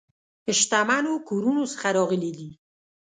شتمنو کورونو څخه راغلي دي.